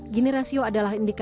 gini rasio adalah indikator